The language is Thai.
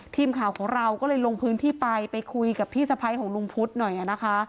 ทีมข่าวของเราก็เลยลงพื้นที่ไปไปคุยกับพี่สะพ้ายของลุงพุทธหน่อยนะคะ